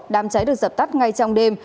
đám cháy được dập tắt ngay trong đêm